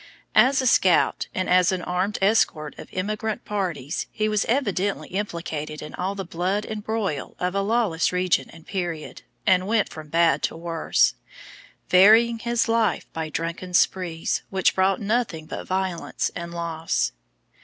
As a scout and as an armed escort of emigrant parties he was evidently implicated in all the blood and broil of a lawless region and period, and went from bad to worse, varying his life by drunken sprees, which brought nothing but violence and loss.